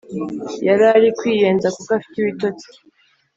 Yarari kwiyenza kuko afite ibitotsi